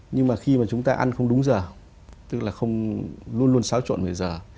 nhưng mà khi mà chúng ta ăn không đúng giờ tức là không luôn luôn xáo trộn với giờ